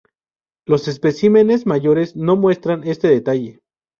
Los especímenes mayores no muestran este detalle.